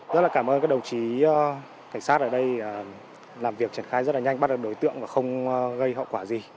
rất là cảm ơn các đồng chí cảnh sát ở đây làm việc triển khai rất là nhanh bắt được đối tượng và không gây hậu quả gì